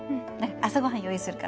朝ごはん用意するから。